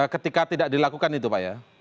ketika tidak dilakukan itu pak ya